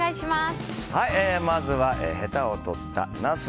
まずはヘタを取ったナス。